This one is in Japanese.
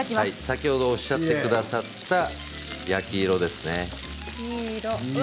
先ほどおっしゃってくださった焼き色ですね。